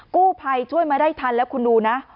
กู้ภัยช่วยมาได้ทันแล้วคุณดูนะ